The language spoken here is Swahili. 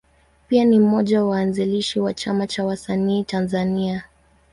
Pia ni mmoja ya waanzilishi wa Chama cha Wasanii Tanzania.